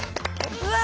うわ！